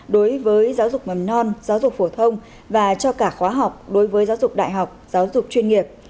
đối với giáo dục mầm non giáo dục phổ thông và cho cả khóa học đối với giáo dục đại học giáo dục chuyên nghiệp